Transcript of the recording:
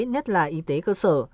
nhất là y tế cơ sở